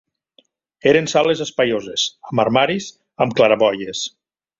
Eren sales espaioses, amb armaris, am claraboies